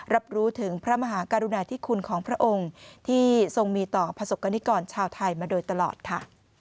รับรู้ถึงพระมหากรุณาธิคุณของพระองค์ที่ทรงมีต่อประสบกรณิกรชาวไทยมาโดยตลอดค่ะ